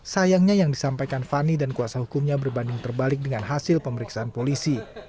sayangnya yang disampaikan fani dan kuasa hukumnya berbanding terbalik dengan hasil pemeriksaan polisi